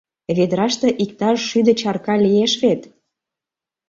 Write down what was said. Ведраште иктаж шӱдӧ чарка лиеш вет!